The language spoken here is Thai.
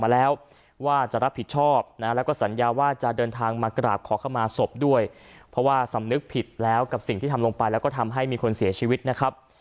แล้วก็สัญญาว่าจะเดินทางมากราบขอเข้ามาสบด้วยเพราะว่าสำนึกผิดแล้วกับสิ่งที่ทำลงไปแล้วก็ทำให้มีคนเสียชีวิตนะครับ